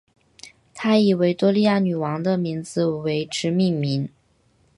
他以维多利亚女王的名字为之命名。